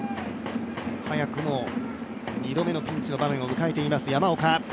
早くも２度目のピンチの場面を迎えています山岡。